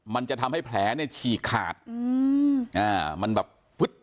มันจะทำให้แผลชีกขาดมันแบบพึด